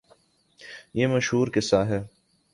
یہ مشہورقصہ ہے۔